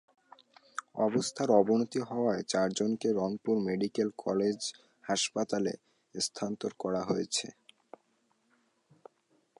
অবস্থার অবনতি হওয়ায় চারজনকে রংপুর মেডিকেল কলেজ হাসপাতালে স্থানান্তর করা হয়েছে।